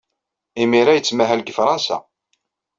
Imir-a, yettmahal deg Fṛansa.